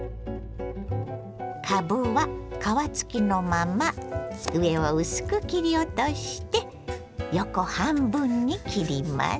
かぶは皮付きのまま上を薄く切り落として横半分に切ります。